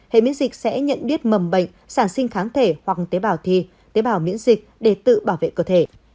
hệ miễn dịch sẽ nhận biết mầm bệnh sản sinh kháng thể hoặc tế bào thi tế bào miễn dịch để tự bảo vệ cơ thể